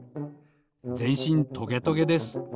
ぜんしんトゲトゲです。